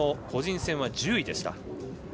個人戦は１０位でした。